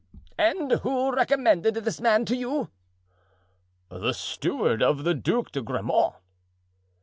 "And who recommended this man to you?" "The steward of the Duc de Grammont."